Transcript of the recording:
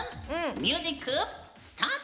ミュージックスタート！